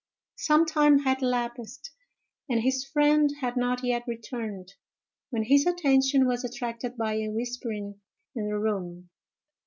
Some time had elapsed, and his friend had not yet returned, when his attention was attracted by a whispering in the room.